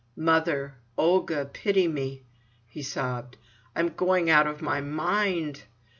"Mother—Olga—pity me!" he sobbed; "I am going out of my mind."